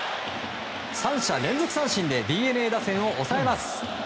３者連続三振でＤｅＮＡ打線を抑えます。